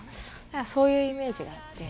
そういうイメージがあって。